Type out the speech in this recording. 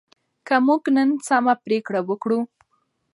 که موږ نن سمه پریکړه وکړو.